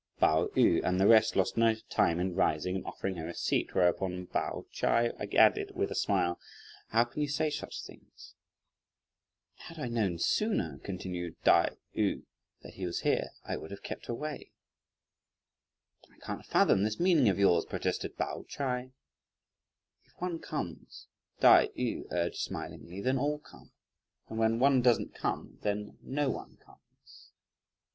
Pao yü and the rest lost no time in rising and offering her a seat, whereupon Pao Ch'ai added with a smile, "How can you say such things?" "Had I known sooner," continued Tai yü, "that he was here, I would have kept away." "I can't fathom this meaning of yours," protested Pao Ch'ai. "If one comes," Tai yü urged smiling, "then all come, and when one doesn't come, then no one comes.